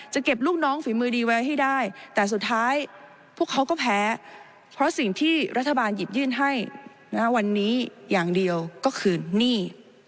เก็บลูกน้องฝีมือดีไว้ให้ได้แต่สุดท้ายพวกเขาก็แพ้เพราะสิ่งที่รัฐบาลหยิบยื่นให้วันนี้อย่างเดียวก็คือหนี้